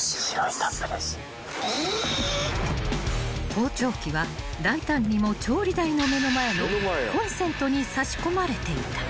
［盗聴器は大胆にも調理台の目の前のコンセントに差し込まれていた］